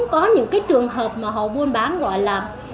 có những cái trường hợp mà họ buôn bán gọi là